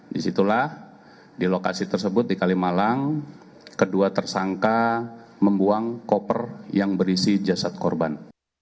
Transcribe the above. disitulah di lokasi tersebut di kalimalang kedua tersangka membuang koper yang berisi jasad korban